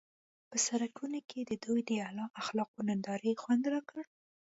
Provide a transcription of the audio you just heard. په سړکونو کې د دوی د اعلی اخلاقو نندارې خوند راکړ.